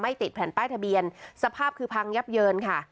ติดแผ่นป้ายทะเบียนสภาพคือพังยับเยินค่ะ